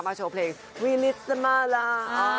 มาโชว์เพลงวินิสเซอมาลา